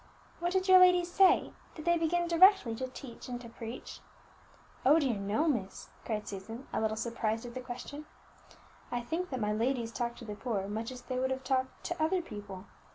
"What did your ladies say? Did they begin directly to teach and to preach?" "Oh dear, no, miss!" cried Susan, a little surprised at the question; "I think that my ladies talked to the poor much as they would have talked to other people.